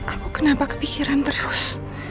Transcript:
aku kenapa kepikiran terus